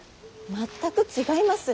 全く違います！